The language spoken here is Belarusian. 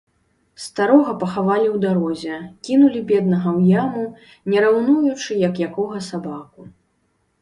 Старога пахавалі ў дарозе, кінулі, беднага, у яму, не раўнуючы, як якога сабаку.